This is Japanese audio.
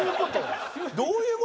どういう事？